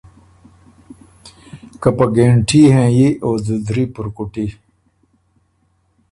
که په ګهېنټي هېنيی او ځُوځري پُرکُوټی۔